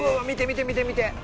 見て見て見て見て！